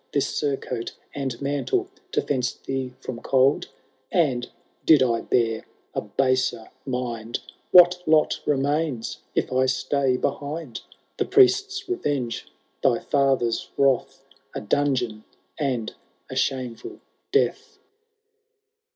This surcoat and mantle to fence thee from cold ? And, did I bear a baser mind. What lot remains if I stay behind ? The priests* revenge, thy fathered wrath, A dungeon, and a shameful death.